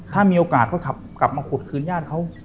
ถ้ามีโอกาสเขากลับมาขุดคืนญาติเขา